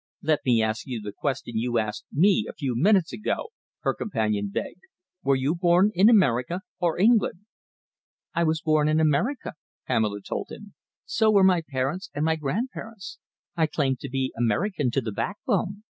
"Let me ask you the question you asked me a few minutes ago," her companion begged. "Were you born in America or England?" "I was born in America," Pamela told him; "so were my parents and my grandparents. I claim to be American to the backbone.